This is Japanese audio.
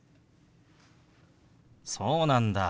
そうなんだ。